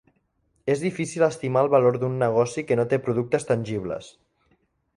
És difícil estimar el valor d'un negoci que no té productes tangibles.